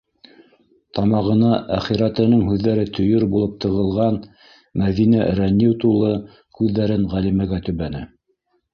- Тамағына әхирәтенең һүҙҙәре төйөр булып тығылған Мәҙинә рәнйеү тулы күҙҙәрен Ғәлимәгә төбәне.